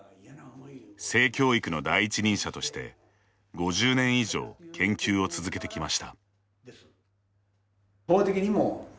性教育の第一人者として５０年以上研究を続けてきました。